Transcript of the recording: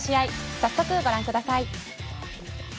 早速ご覧ください。